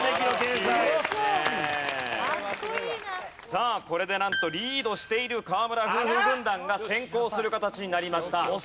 さあこれでなんとリードしている河村夫婦軍団が先行する形になりました。